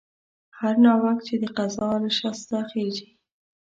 هر ناوک چې د قضا له شسته خېژي